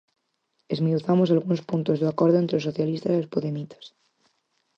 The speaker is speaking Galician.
Esmiuzamos algúns puntos do acordo entre os socialistas e os podemitas...